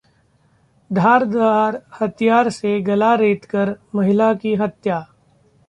धारदार हथियार से गला रेतकर महिला की हत्या